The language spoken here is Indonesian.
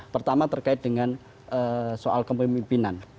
pertama terkait dengan soal kepemimpinan